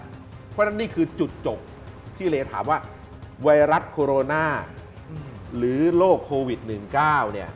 เพราะฉะนั้นนี่คือจุดจบที่เลถามว่าไวรัสโคโรนาหรือโรคโควิด๑๙เนี่ย